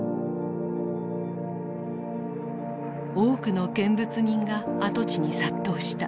多くの見物人が跡地に殺到した。